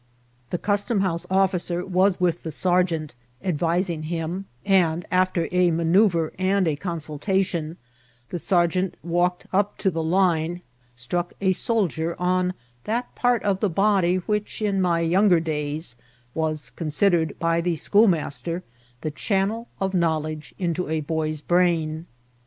The custom house officer was with the sergeant, advi* sing him ; and, after a manceuvre and a consultaticm, the sergeant walked up to the line, and with the palm of his hand struck a soldier on that part of the body which, in my younger days, was considered by the schoolmaster the channel of knowledge into a boy's brain.